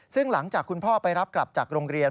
ซึ่งหลังจากคุณพ่อไปรับกลับจากโรงเรียน